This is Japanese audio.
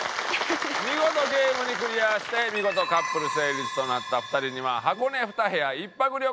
見事ゲームにクリアして見事カップル成立となった２人には箱根２部屋１泊旅行を差し上げます。